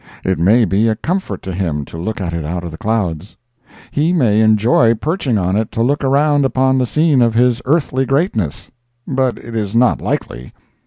It may be a comfort to him to look at it out of the clouds. He may enjoy perching on it to look around upon the scene of his earthly greatness, but it is not likely.